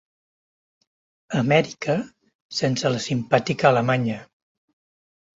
Amèrica sense la simpàtica alemanya.